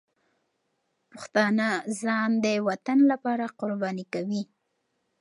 پښتانه ځان د وطن لپاره قرباني کوي.